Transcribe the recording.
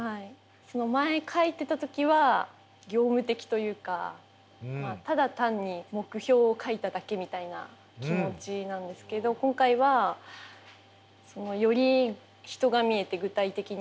その前書いてた時は業務的というかただ単に目標を書いただけみたいな気持ちなんですけど今回はより人が見えて具体的になって自分の気持ちが入った気がします。